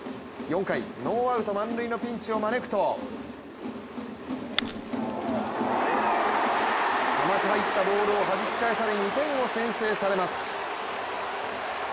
４回、ノーアウト満塁のピンチを招くと、甘く入ったボールをはじき返され２点を先制されます。